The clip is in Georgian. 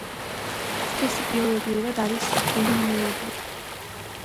სქესი ბიოლოგიურად არის დეტერმინირებული.